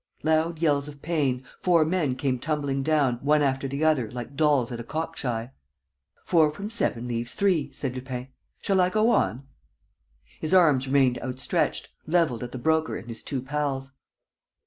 ... Loud yells of pain. ... Four men came tumbling down, one after the other, like dolls at a cockshy. "Four from seven leaves three," said Lupin. "Shall I go on?" His arms remained outstretched, levelled at the Broker and his two pals.